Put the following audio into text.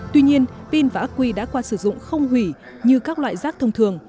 tuy nhiên pin và ác quy đã qua sử dụng không hủy như các loại rác thông thường